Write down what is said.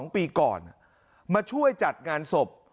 ๒ปีก่อนมาช่วยจัดงานศพ